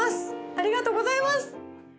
ありがとうございます！